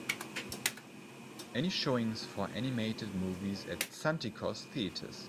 Any showings for animated movies at Santikos Theatres.